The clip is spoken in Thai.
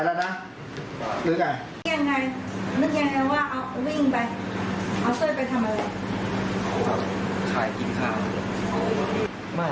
ใช้กินข้าว